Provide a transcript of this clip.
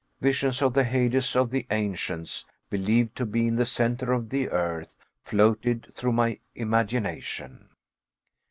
Visions of the Hades of the ancients, believed to be in the centre of the earth, floated through my imagination.